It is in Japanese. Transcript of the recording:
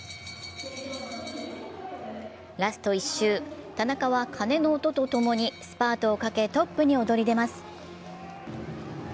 ラスト１周、田中は鐘の音と共にスパートをかけ、トップに躍り出ます。